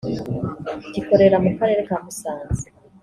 gikorera mu Karere ka Musanze